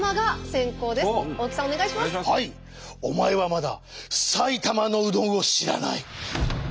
お前はまだ埼玉のうどんを知らない！